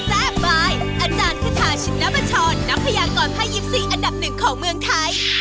สวัสดีค่ะ